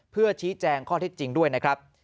เพื่อชี้แจงข้อเท็จจริงด้วยนะครับ